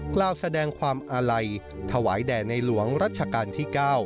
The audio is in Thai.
กล่าวแสดงความอาลัยถวายแด่ในหลวงรัชกาลที่๙